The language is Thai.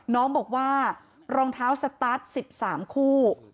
น้องบอกว่ารองเท้าสตาร์ท๑๓คู่